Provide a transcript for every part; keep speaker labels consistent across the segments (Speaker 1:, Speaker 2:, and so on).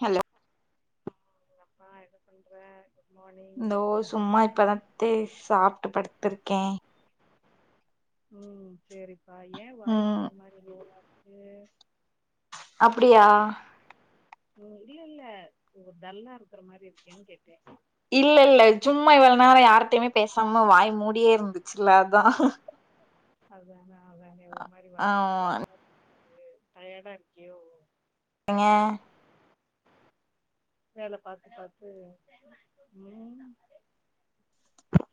Speaker 1: Hello
Speaker 2: அப்பா என்ன பண்ற குட் மார்னிங்
Speaker 1: இந்தோ சும்மா இப்பதான்த்த சாப்பிட்டு படுத்திருக்கேன்
Speaker 2: உம் சரிப்பா ஏன் வாய்ஸ்
Speaker 1: ம்
Speaker 2: ஒரு மாதிரி போவுது உஹம்
Speaker 1: அப்படியா
Speaker 2: உஹம் இல்ல இல்ல டல்லா இருக்க மாதிரி இருக்கேன்னு கேட்ட
Speaker 1: இல்ல இல்ல சும்மா இவள நாளா யாரிட்டையுமே பேசாம வாய் மூடியே இருந்துச்சுல அதான்
Speaker 2: அது வேனா
Speaker 1: ஆமாஹ
Speaker 2: டயாடா இருக்கியோ
Speaker 1: ஏங்க
Speaker 2: வேல பாத்து பாத்து உம்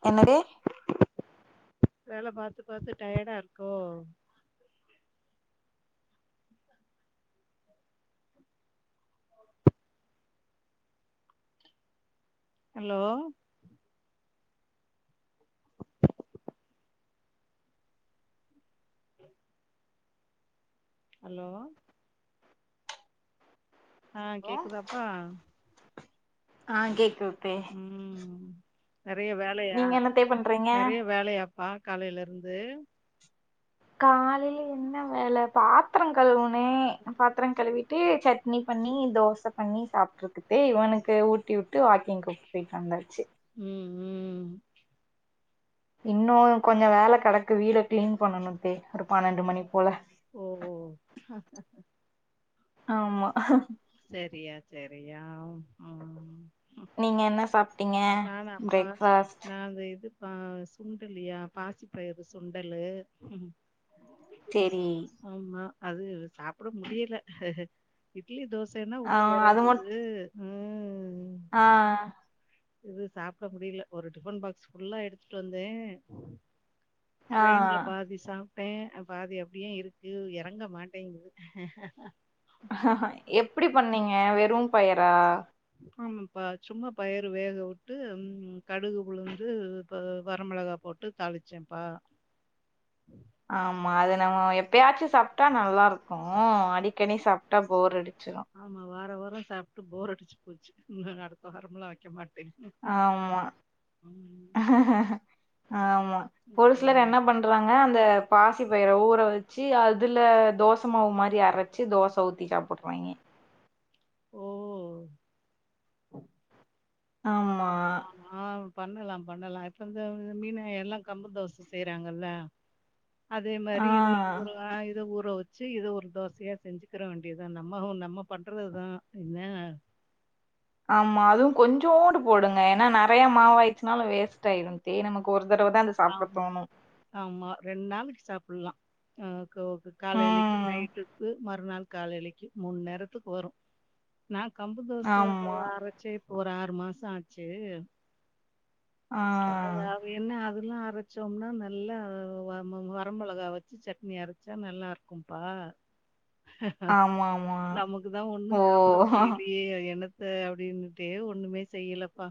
Speaker 1: என்னடெ
Speaker 2: வேல பார்த்து பாத்து டயடா இருக்கோ ஹலோ ஹலோ ஆஹ கேக்குதாப்பா
Speaker 1: ஆஹ் கேக்குது பே
Speaker 2: ம் நெறைய வேலையா நெறைய வேலையா பா காலையில இருந்து
Speaker 1: காலையில என்ன வேலை பாத்திரம் கழுவுனே பாத்திரம் கழுவிட்டு சட்னி பண்ணி தோச பண்ணி சாப்ட்ருக்குது இவனுக்கு ஊட்டி விட்டு வாக்கிங்கு போயிட்டு வந்தாச்சு
Speaker 2: உம் உம்
Speaker 1: இன்னொம் கொஞ்சம் வேல கெடக்கு வீட கிளீன் பண்ணனும் தே ஒரு பன்னெண்டு மணிய போல
Speaker 2: ஓ ஓ
Speaker 1: ஆமா
Speaker 2: செரியா செரியா உம்
Speaker 1: நீங்க என்ன சாப்டீங்க பிரேக்பாஸ்ட்
Speaker 2: ஆஹ சுண்டலியா பாசி பயிறு சுண்டலு
Speaker 1: செரி
Speaker 2: ஆமா அது சாப்ட முடியல இட்லி தோச சைன்னா
Speaker 1: ஆ
Speaker 2: உள்ள இறங்குது ம்
Speaker 1: ஆஹ்
Speaker 2: இது சாப்ட முடியல ஒரு டிஃபன் பாக்ஸ் ஃபுல்லா எடுத்துட்டு வந்தே
Speaker 1: ஆ
Speaker 2: ட்ரெயின்ல பாதி சாப் சாப்ட்டேன் பாதி அப்டியே இருக்கு இறங்க மாட்டேங்குது
Speaker 1: ஹஹஹ எப்டி பண்ணீங்க வெறும் பயரா
Speaker 2: ஆமாப்பா சும்மா பயர் வேக வுட்டு கடுகு உளுந்து வரமிளகா போட்டு தாளிச்சேன்ப்பா
Speaker 1: ஆமா அது நம்ம எப்பயாச்சு சாப்டா நல்லா இருக்கும் அடிக்கடி சாப்டா போர் அடிச்
Speaker 2: ஆமா வார வார சாப்ட்டு போர் அடிச்சு போச்சு அடுத்த வாரம்லா வைக்க மாட்டேன்
Speaker 1: ஆமா
Speaker 2: ம்.
Speaker 1: ஆமா ஒரு சிலர்
Speaker 2: ம்.
Speaker 1: என்ன பண்றாங்க அந்த பாசி பயிர ஊற வச்சு அதுல தோச மாவு மாதரி அரைச்சு தோச ஊத்தி சாப்டுறாங்க
Speaker 2: ஓ
Speaker 1: ஆமா
Speaker 2: ஆமா. ஆ பண்ணலாம் பண்ணலாம் இப்ப இந்த மீனா எல்லா கம்பு தோச செய்யுறாங்கல்ல அதே
Speaker 1: ஆ.
Speaker 2: மாரி இது இத ஊற வச்சு இத ஒரு தோசையா செஞ்சுக்கிற வேண்டியதான் நம்ம நம்ம பண்றதுதான் என்ன
Speaker 1: ஆமா அதுவும் கொஞ்சோடு போடுங்க ஏன்னா நெறைய மாவாயிச்சுனாலும் வேஸ்ட் ஆயிடும் தே நமக்கு ஒரு தடவ தான் அத சாப்பிட
Speaker 2: ஆமா
Speaker 1: தோணும்.
Speaker 2: ஆமா ரெண்டு நாளைக்கு சாப்புல்லா ஆஹ் காலைக்கு
Speaker 1: ம்.
Speaker 2: நைட்டுக்கு மறுநாள் காலைக்கு மூணு நேரத்துக்கு வரும் நா கம்பு தோச
Speaker 1: ஆமா.
Speaker 2: அரைச்சு ஒரு ஆறு மாசம் ஆச்சு
Speaker 1: ஆஹ்
Speaker 2: எல்லாம் அரைச்சோம்னா நல்லா வரமிளகா வச்சு சட்னி அரைச்சா நல்லா இருக்கும்பா
Speaker 1: ஆமாமா.
Speaker 2: நமக்கு தான்
Speaker 1: ஓ!
Speaker 2: ஒண்ணும் சாப்ட முடியலையே என்னத் அப்டின்னுட்டே ஒண்ணுமே செய்யலப்பா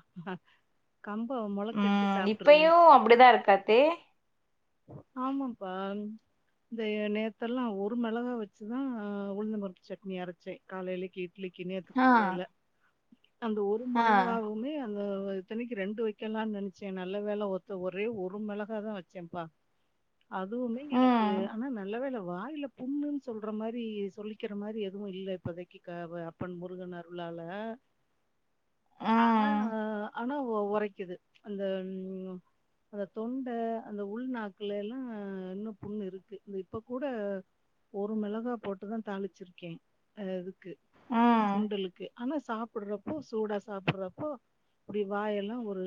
Speaker 2: கம்ப மொளச்
Speaker 1: உம் இப்பயும் அப்டிதான் இருக்கா தே
Speaker 2: ஆமாப்பா இந்த நேத்தெல்லாம் ஒரு மிளகா வச்சுதான் உளுந்தம் பருப்பு சட்னி அரைச்சேன் காலையிலக்கு இட்லி இட்லிக்கு நேத்து
Speaker 1: ஆ.
Speaker 2: காலயில அந்த ஒரு
Speaker 1: ஆ.
Speaker 2: மிளகாவுமே அ இத்தனைக்கு ரெண்டு வைக்கலாம்னு நினைச்சேன் நல்ல வேலை ஒத்த ஒரே ஒரு மிளகா தான் வச்சேன்ப்பா அதுவுமே
Speaker 1: ம்.
Speaker 2: எனக்கு ஆனா நல்ல வேல வாயில புண்ணுன்னு சொல்ற மாரி சொல்லிக்கிற மாரி எதுவும் இல்ல இப்பதைக்கு அப்பன் முருகன் அருளால ஆனா
Speaker 1: ம்.
Speaker 2: ஆனா உரைக்குது அந்த அந்த தொண்ட அந்த உள்நாக் குல்லெலாம் இன்னும் புண்ணு இருக்கு இப்ப கூட ஒரு மிளகா போட்டுதான் தாளிச்சிருக்கேன் இதுக்கு
Speaker 1: ம்.
Speaker 2: சுண்டலுக்கு ஆனா சாப்டுறப்போ சூடா சாப்டுறப்போ இப்டி வாயெல்லாம் ஒரு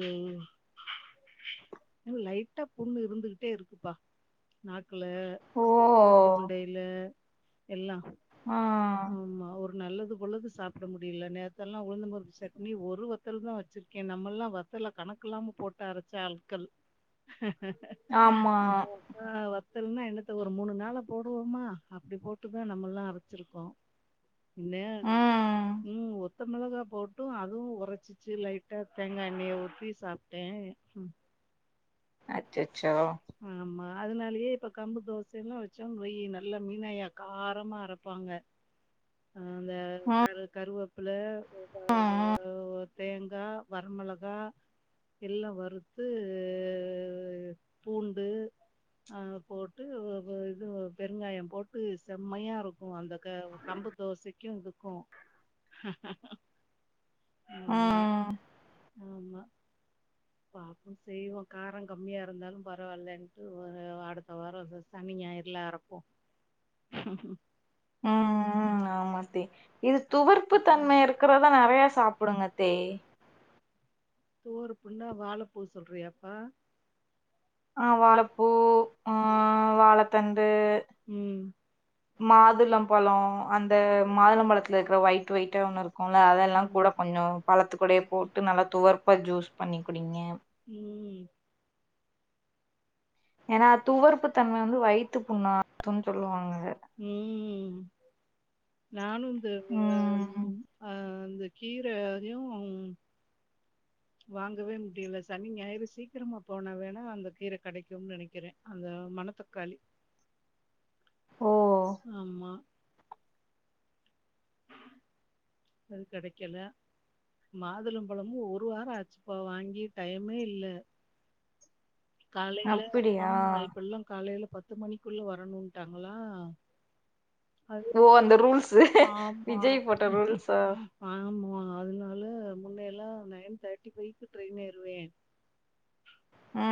Speaker 2: லைட்டா புண்ணு இருந்துகிட் டே இருக்குப்பா நாக் க்குல
Speaker 1: ஓ!
Speaker 2: தொண்டையில எல்லா
Speaker 1: ஆஹ
Speaker 2: நல்லது பொல்லது சாப்ட முடியல நேத்தல்லா உழுந்தம்பருப்பு சட்னி ஒருவத் வத்தல் தான் வச்சிருக்கேன் நம்மல்லாம் வத்தல கணக்கு இல்லாம போட்ட அரைச்ச ஆட்கள்
Speaker 1: ஆமா
Speaker 2: ஓ! ஆ வத்தல்னா என்னத்த ஒரு மூணு நாள போடுவோமா அப்டி போட்டுதான் நம்மெல்லாம் அரைச்சிருக்கோம் என்ன
Speaker 1: ம்.
Speaker 2: உம் ஒத் வத்த மிளகா போட்டும் அதுவும் உரைச்சிச்சு லைட்டா தேங்காய எண்ணெய ஊத்தி சாப்பிட்டே
Speaker 1: அச்சச்சோ
Speaker 2: அதனாலயே இப்ப கம்பு தோசை எல்லாம் வச்சோனு வைய்யி நல்ல மீனாய காரமா அரைப்பாங்க அந்த
Speaker 1: ம்.
Speaker 2: கரு கருவப் பொல
Speaker 1: ம்.
Speaker 2: தேங்கா வரமிளகா எல்லா வறுத்து பூண்டு ஆஹ் போட்டு இது பெருங்காயம் போட்டு செம்மையா இருக்கும் அந்த கம்பு தோசைக்கும் இதுக்கும்
Speaker 1: அஹ்
Speaker 2: ஆமா பாப்போம் செய்வோம் காரம் கம்மியா இருந்தாலும் பரவால்லன்ட்டு ஒரு அடுத்த வாரம் சனிஞாயிரலா அரப்போம்
Speaker 1: உம் உம் ஆ மாத்தி இது துவர்ப்பு
Speaker 2: ம்
Speaker 1: தன்ம இருக்குறதா நறைய சாப் புடுங்க தே
Speaker 2: துவர்ப்புன்னா வாழப்பூ சொல்றியாப்பா
Speaker 1: ஆஹ் வாழப்பூ ஆஹ் வாழத்தண் டூ
Speaker 2: ம்
Speaker 1: மாதுளம் பழம் அந்த மாதளம்பழத்தில்ல இருக்கிற ஒயிட் ஒயிட்டா ஒன்னு இருக்கும் அதெல்லாம் கூட கொஞ்சம் பழத்துக்குடைய போட்டு நல்லா துவர்ப் ப்போ ஜூஸ் பண்ணிக்குடிங்க
Speaker 2: உம்
Speaker 1: ஏன்னா துவர்ப்பு தன்ம வந்து வயித்து புண்ண ஆத்துன்னு சொல்வாங்க
Speaker 2: உம் [inaudible] நானும் இந்த
Speaker 1: ம்
Speaker 2: அஹ் கீர அதையும் வாங்கவே முடியல சனி ஞயிரு சீக்கிரமா போனா வேணா அந்த கீர கெடைக்கும்னு நெனைக்கிறேன் அந்த மணத்தக்காளி
Speaker 1: ஓ
Speaker 2: ஆமா அது கெடைக்கல மாதுளம்பழமும் ஒரு வாரம் ஆச்சுப்பா வாங்கி டைமே இல்ல காலைல
Speaker 1: அப்பிடியா
Speaker 2: ஆமா இப்பல்லாம் காலைல பத்து மணிக்குள்ள வரணும்ட்டாங்களா
Speaker 1: ஓ அந்த ரூல்ஸ்
Speaker 2: ஆமா.
Speaker 1: விஜய் போட்ட ரூல்ஸ் அஹ்
Speaker 2: ஆமா அதனால முன்னைய எல்லாம் நைன் தேர்ட்டி வைக்கு ட்ரெயின் ஏறுவேன்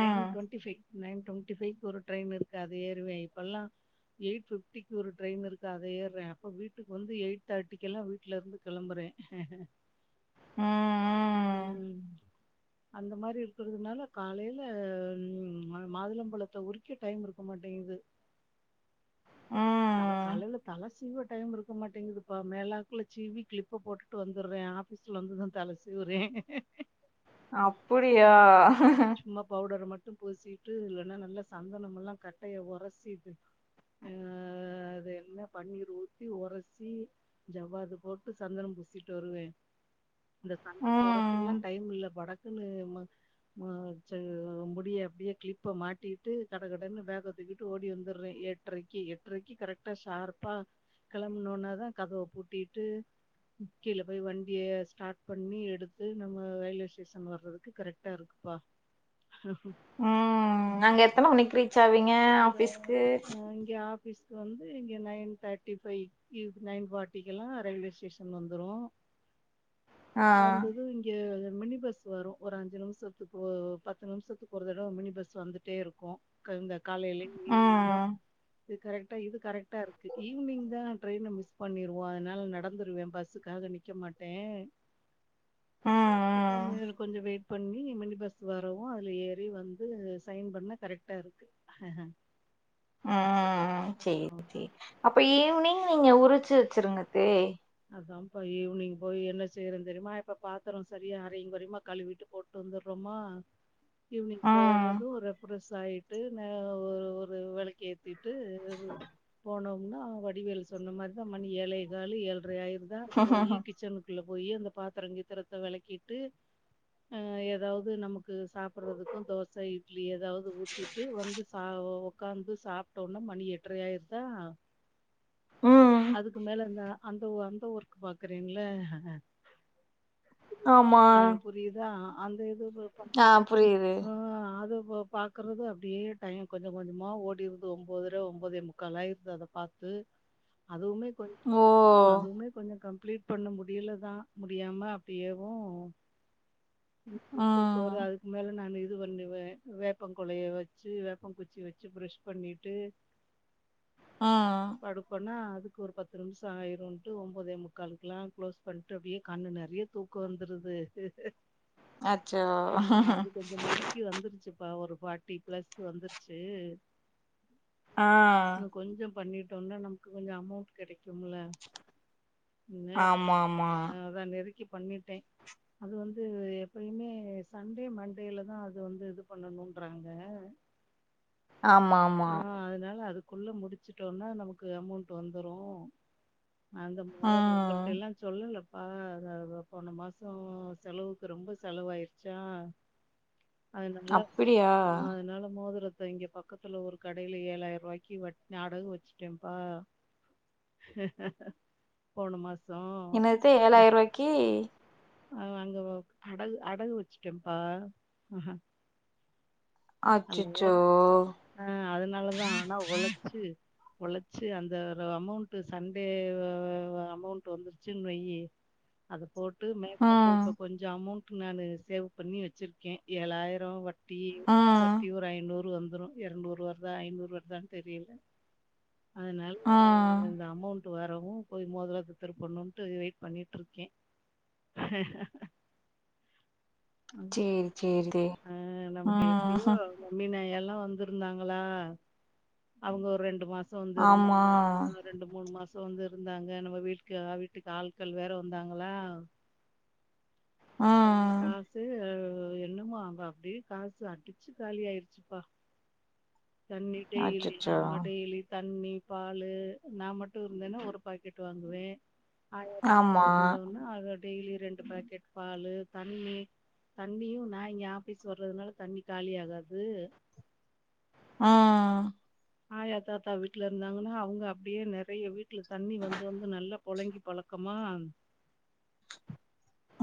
Speaker 2: நைன் டுவென்டிஃபைவ் நைன் டுவெண்ட்டி ஃபைவ்க்கு ஒரு ட்ரெய்ன் இருக்கு அத ஏறுவே இப்பெல்லாம் எயிட் பிப்டிக்கு ஒரு ட்ரெயின் இருக்கு அத ஏர்றன் அப்ப வீக்கு வந்துயிட் தேர்ட்டிகுல்லாம் வீட் ட்டுல இருந்து கிளம்புறேன்
Speaker 1: ம்
Speaker 2: உம் அந்த மாரி இருக்கிறதுனால காலைல மாதுளம்பழத்தை உரிக்க டைம் இருக்க மாட்டிங்கிது
Speaker 1: ம்
Speaker 2: தல
Speaker 1: ம்
Speaker 2: காலைல தல சீவ டைம் இருக்க மாட்டிங்கிதுப்பா மேலா ள்ள சிவி கிளிப்ப போட்டுட்டு வந்துடுறேன் ஆபீஸ்ல வந்துதான் தல சீவுறேன்
Speaker 1: அப்படியா [unintelligible]
Speaker 2: ட்டும் பூசிட்டு இல்லைன்னா நல்லா சந்தனம எல்லாம் கட்டைய உரசிட்டு இது அஹ் அது என்ன பன்னீர் ஊத்தி ஒரசி ஜவ்வாது போட்டு சந்தனம் புசிட்டு வருவேன் இந்த சந்தனம் உரசல்லா
Speaker 1: ம்.
Speaker 2: டைம் இல்ல இப்ப முடிய அப்படியே கிளிப்ப மாட்டிட்டு கட கடன்னு வேக தூக்கிட்டு ஓடி வந்துடுறேன் ஏட்டரைக்கு எட்டரைக்கு கரெக்டா ஷார்ப்பா கிளம்பனோனா தான் கதை பூட்டிட்டு கீழ போய் வண்டிய ஸ்டார்ட் பண்ணி எடுத்து நம்ம ரயில்வே ஸ்டேஷன் வறதுக்கு கரெக்டா இருக்குப்பா
Speaker 1: உம் நாங்க எத்தனை நிக்கிறீ ச்சாவங்க ஆபீஸ்க்கு
Speaker 2: ஆஃபீஸ்க்கு வந்து இங்கே நைன் தேர்ட்டி ஃபைக் நைன் ஃபார்ட்டிக்கெல்லாம் ரயில்வே ஸ்டேஷன் வந்துடும்
Speaker 1: ஆ.
Speaker 2: வந்ததும் இங்க மினி பஸ் வரும் ஒரு அஞ்சு நிமிஷத்துக்கு பத்து நிமிஷத்துக்கு ஒரு தடவை மினி பஸ் வந்துட்டே இருக்கும் கந்தக் காலையிலிமிங்மிங்கோ
Speaker 1: ம்.
Speaker 2: இது கரெக்டா இது கரெக்டா இருக்கு ஈவினிங் தான் ட்ரையின மிஸ் பண்ணிருவோம் அதனால நடந்துடுவேன் பஸ்சுக்காக நிக்க மாட்டேன்
Speaker 1: ம்,
Speaker 2: கொஞ்சம்
Speaker 1: ம்.
Speaker 2: நேரம் கொஞ்சம் வேட் பண்ணி மினி பஸ் வரவும் அதுல ஏறி வந்து சைன் பண்ணா கரெக்டா இருக்கு ஆஹ்ஹ
Speaker 1: உம் சேரி சேரி அப்ப ஈனிங் நீங்க உரிச்சு வச்சிருங்கதே
Speaker 2: அதான்ப்பா ஈவினிங் போய் என்ன செய்யறம் தெரியுமா இப்ப பாத்திரோம் சரிய அரைங்க குரியமா கழுவிட்டு போட்டு வந்துடுறோமா ஈவினிங்
Speaker 1: ம்.
Speaker 2: போகனது ரெப்ரஸ் ஆயிட்டு ந ஒரு வேலைக்கு எடுத்திட் இது போனோ நா வடிவேலு சொன்ன மாரிதான் மணி ஏழேகால் ஏழ்ர இரண்ரையேயிடும் இப்படி தான் இருக்கும் இ கிச்சனுக்குள்ள போய் அந்த பாத்திர கித்திரத்தை விளக்கிட்டு ஏதாவது நமக்கு சாப்பிடுறதுக்கும் தோசை இட்லி ஏதாவது ஊத்திட்டு வந்து சா வு உட்காந்து சாப்பிட்டோம்னா மணி எட்டரை ஆயிருதா
Speaker 1: ம்.
Speaker 2: அதுக்கு மேல இருந்தா அந்த அந்த ஊருக்கு பாக்குறீங்களஹஹ ஆஹ் புரியுதா அந்த இது
Speaker 1: ஆஹ் புரியுது
Speaker 2: இப்ப பாக்கறது அப்படியே டைம் கொஞ்ச கொஞ்சமா ஓடிடுது ஒன்பதரை ஒன்பதே முக்கால் ஆயிருது அதை பார்த்து அதுவுமே
Speaker 1: ஓ!
Speaker 2: போக்கோ அதுவுமே கொஞ்சோ கம் ப்ளீட் பண்ண முடியலதா முடியாம அப்டியேவு போற
Speaker 1: ம்.
Speaker 2: அதுக்கு மேல நானு இது வண்ணுவ வேப்ப கொளய வச்சி வேப்ப குச்சி வச்சி ப்ரெஷ் பண்ணிட்டு
Speaker 1: ம்.
Speaker 2: படுப்பனா அதுக்கு ஒரு பத்து நிமிஷ ஆயிருன்ட்டு ஒன்பதே முக்காலுக்கெல்லா க்ளோஸ் பண்ட்டு அப்டியே கண்ணு நெறைய தூக்க வந்துருது
Speaker 1: அச்சோ
Speaker 2: இப்ப ஒரு ஃபார்ட்டி பிளஸ் வந்துருச்சி
Speaker 1: ஆ.
Speaker 2: நா கொஞ்சோ பண்ணிட்டு ட்டோன நமக்கு கொஞ்ச அமௌண்ட் கெடைக்கும்ல [unintelligible] ஹ
Speaker 1: ஆமாமா.
Speaker 2: அதா நெருக்கி பண்ணிட்டே அது வந் து எப்பயுமே சண்டே மண்டேலதா அது வந்து இது பண்ணணும்றாங்க
Speaker 1: ஆமா ஆமா
Speaker 2: குள்ள முடிச்சிட்டோம்னா நமக்கு அமௌண்ட் வந்துரு அந்த [inaudible] உங்கள்ட்ட
Speaker 1: ம்.
Speaker 2: எல்லா சொல்லல ப்ப அத அத போன மாசம் செலவுக்கு ரொம்ப செலவாயிருச்சா அதனால
Speaker 1: அப்பிடியா?
Speaker 2: ஆமா அதனால மோதிர இதோ இங்க பக்கத்துல ஒரு கடையில ஏலாயிர ரூபாய்க்கு வட் அடகு வச்சிட்டேம்ப்பா போன மா
Speaker 1: இனத்த ஏலாயிரூபாய்க்கி
Speaker 2: ஆஹ் அங்க அடகு அடகு வச்சிட்டேம்ப்பா ஆஹஹ அல்லோ
Speaker 1: அச்சச்சோ
Speaker 2: ஆஹ் அதனாலதா ஆனா ஒளச்சி உலச்சி அந்த ஒரு அமௌண்ட் சண்டே அமௌண்ட் வந்துருச்சுன்னு வை அத போட் டு மேற்கொண்டு
Speaker 1: ம்
Speaker 2: [inaudible] கொஞ்ச அமௌண்ட் நானு சேவ் பண்ணி வச்சிருக்கே ஏலாயிரோ வ
Speaker 1: ம்
Speaker 2: ட்டி ஐநூறு வந்துரு இரநூறு வருதா ஐநூறு வருதான்னு தெரியல அதனால
Speaker 1: ம்
Speaker 2: இந்த அமௌண் ட்டு வரவு போய் மோதரத திருப்பனுன்ட்டு வெயிட் பண்ணிட்டு இருக்கே
Speaker 1: சேரி சேரி
Speaker 2: ஆஹ் நமக்கு எப்டியோ
Speaker 1: ம்
Speaker 2: [unintelligible] எல்லா வந்திருந்தாங்களா அவுங்க ஒரு ரெண்டு மா சோ
Speaker 1: ஆமா
Speaker 2: இருந்தாங்க ரெண்டு மூணு மா சோ வந்து இருந்தாங்க நம்ம வீட்டுக்கு வீட்டுக்கு ஆட்கள் வேற வந்தாங்களா
Speaker 1: ஆஹ்
Speaker 2: ஹ என்னமோ அங்க அப்டியே காசு அடிச்சு காலி ஆயிருச்சுப்பா தண்ணி டெய்லி
Speaker 1: அச்சச்சோ
Speaker 2: ஆமா டெய்லி த தண்ணி பாலு நா மட்டும் இருந்தேன்னா ஒரு பாக்கெட் வாங்குவேன்
Speaker 1: ஆமா
Speaker 2: ஆயந்தன ஆா டெய்லி ரெண்டு பாக்கெட் பாலு தண்ணி தண்ணியும் நான் இங்க ஆபீஸ் வர்றதுனால தண்ணி காலி ஆகாது
Speaker 1: ஆஹ்
Speaker 2: ஆயா தாத்தா வீட்ல இருந்தாங்கன்னா அவுங்க அப்டியே நெறைய வீட்ல தண்ணி வந்து வந்து நல்லா புழங்கி பழக்கமா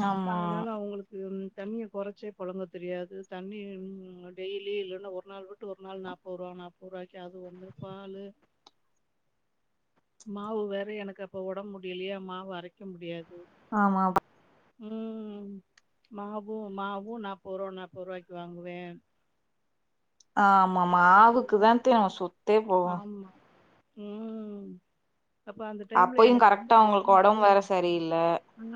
Speaker 1: ஆமா
Speaker 2: அதனால அவுங்களுக்கு தண்ணியை குறைச்சே புழங்க தெரியாது தண்ணி டெய்லி இல்லைன்னா ஒரு நாள் வி ஒரு நாள் நாப்பருவா நாப் ப [unintelligible] அது ஒண்ணு பாலு மாவு வேற எனக்கு அப்ப உடம்பு முடியலையா மாவு அரைக்க முடியாது
Speaker 1: ஆமா
Speaker 2: உம் மாவும் மாவும் நாப்பருவா நாப்பரூபாய்க்கு வாங்குவேன்
Speaker 1: ஆ ஆமா
Speaker 2: ஓ!
Speaker 1: மாவுக்கு
Speaker 2: ம்.
Speaker 1: தான்தெ நாம் சொத்தே போவும்
Speaker 2: உம் அப்ப அந்த டைம்ல
Speaker 1: அப்பயு
Speaker 2: எனக்கு ரொம்ப
Speaker 1: கரெக்டா அவங்களுக்கு
Speaker 2: உடம்பு
Speaker 1: ஒடம்பு வேற சரியில்ல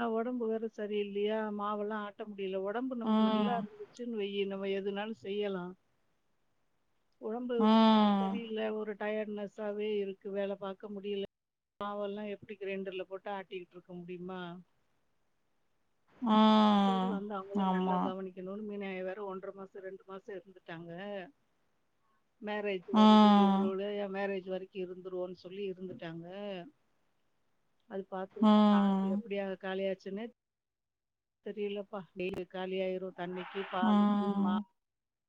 Speaker 2: உ உடம்பு வேற சரியில்லையா மாவெல்லாம் ஆட்ட முடி யில உடம்பு நமக்கு நல்லா
Speaker 1: ம்
Speaker 2: இருந்துச்சு வை என்னவோ எதுனாலும் செய்யலாம் உடம்பு
Speaker 1: ம்
Speaker 2: சரியில்ல ஒரு டயர்டனஸாவே இருக்கு வேல பார்க்க முடியல மாவெல்லாம் எப்டி கிரைண்டர்ல போட்டு ஆட்டிக்கிட்டு இருக்க முடியுமா
Speaker 1: உம் ஆமா
Speaker 2: ம நாய வ ஒன்றரை மாசம் ரெண்டு மாசம் இருந்துட்டாங்க [unintelligible] வே மேரேஜ் வருது
Speaker 1: ம்
Speaker 2: இவரோட என் மேரேஜ் வரைக்கும் இருந்துருவோன்னு சொல்லி இருந்துட்டாங்க அது பார்த்தன்னா கா
Speaker 1: ம்
Speaker 2: எப்படிய காலி யாச்சி சுனே தெரியலப்பா டெய்லி காலி ஆயிரும் தண்ணிக்கு பாலுக்கு
Speaker 1: ம்
Speaker 2: மா